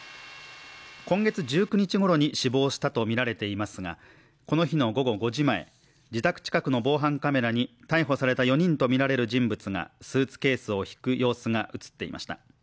今月１９日ごろに死亡したとみられていますが、この日の午後５時前、自宅近くの防犯カメラに逮捕された４人とみられる人物がスーツケースを引く様子が映っていました。